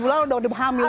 tujuh bulan udah hamil